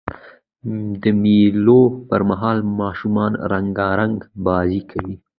د مېلو پر مهال ماشومان رنګارنګ بازۍ کوي.